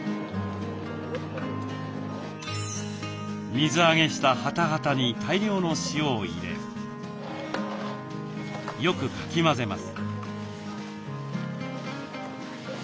水揚げしたはたはたに大量の塩を入れよくかき混ぜます。